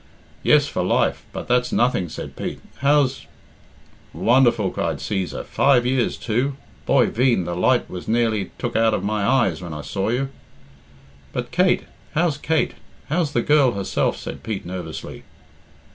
"Yes, for life; but that's nothing," said Pete; "how's " "Wonderful!" cried Cæsar; "five years too! Boy veen, the light was nearly took out of my eyes when I saw you." "But Kate? How's Kate? How's the girl, herself?" said Pete nervously.